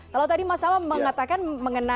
kalau tadi mas tama mengatakan mengenai